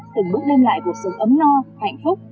từng bước đem lại cuộc sống ấm no hạnh phúc